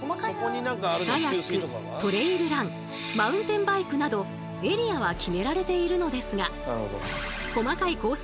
カヤックトレイルランマウンテンバイクなどエリアは決められているのですがこまかいコース